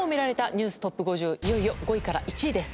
いよいよ５位から１位です。